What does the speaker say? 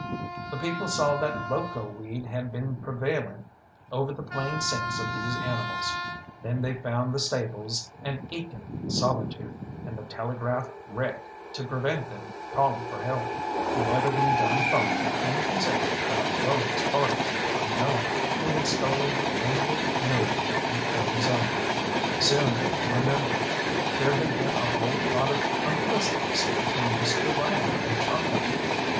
The people saw that loco weed had been prevailing over the plain sense of these animals; then they found the stables an aching solitude, and the telegraph wrecked to prevent them calling for help, and everything done thoughtful and considerate by felonious parties unknown who had stolen the only millionaire in Arizona. Soon they remembered there had been a whole lot of unpleasantness between Mr. Ryan and Chalkeye.